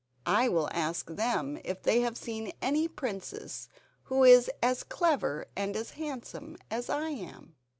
I will ask them if they have seen any princess who is as clever and as handsome as I am."